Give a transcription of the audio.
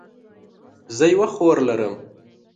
زه یوه خور لرم